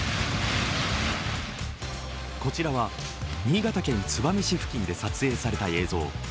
こちらは新潟県燕市付近で撮影された映像。